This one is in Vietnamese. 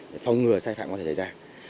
để phòng ngừa sai phạm có thể xảy ra